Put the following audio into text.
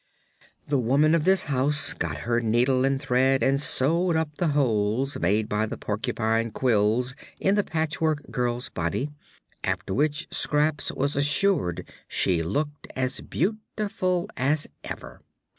The woman of this house got her needle and thread and sewed up the holes made by the porcupine quills in the Patchwork Girl's body, after which Scraps was assured she looked as beautiful as ever.